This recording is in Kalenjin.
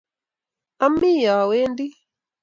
Ami awendi